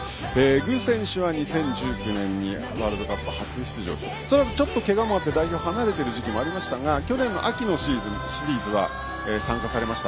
具選手は２０１９年にワールドカップ初出場でそのあとちょっと、けがもあって代表を離れるときもありましたが去年の秋のシリーズは参加されました。